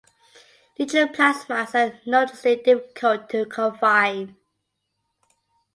Neutral plasmas are notoriously difficult to confine.